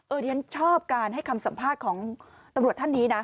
เดี๋ยวฉันชอบการให้คำสัมภาษณ์ของตำรวจท่านนี้นะ